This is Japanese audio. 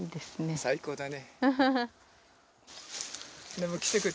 最高だね。